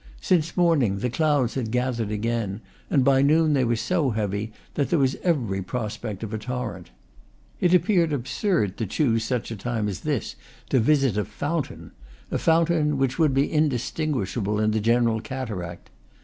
Since morning the clouds had gathered again, and by noon they were so heavy that there was every prospect of a torrent. It appeared absurd to choose such a time as this to visit a fountain a fountain which, would be indistinguishable in the general cataract.